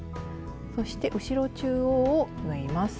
そして後ろ中央を縫います。